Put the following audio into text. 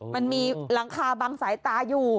มันมีหลังคาบังสายตาอยู่